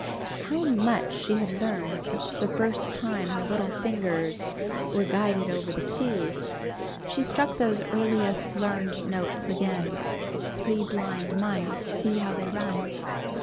How much she had learned since the first time her little fingers were guided over the keys. She struck those earliest learned notes again: "Three blind mice! See how they run!"